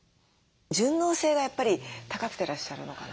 順応性がやっぱり高くてらっしゃるのかな？